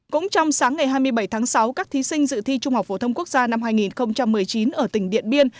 cũng trong sáng ngày hai mươi bảy tháng sáu các thí sinh dự thi trung học phổ thông quốc gia năm hai nghìn một mươi chín ở tỉnh điện biên